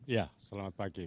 ya selamat pagi